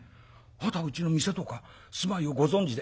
あなたはうちの店とか住まいをご存じで？」。